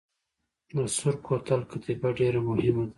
د سور کوتل کتیبه ډیره مهمه ده